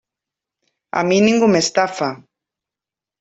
A mi ningú m'estafa.